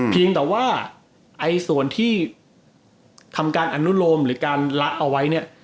เพียงแต่ว่าไอ้ส่วนที่ทำการอนุโลมหรือการละเอาไว้เนี่ย